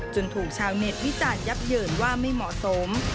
ถูกชาวเน็ตวิจารณ์ยับเยินว่าไม่เหมาะสม